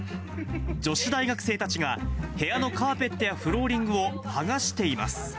女子大学生たちが、部屋のカーペットやフローリングを剥がしています。